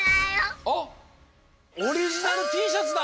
あっオリジナルＴシャツだ！